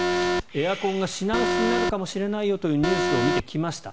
エアコンが品薄になるかもしれないよというニュースを見て来ました。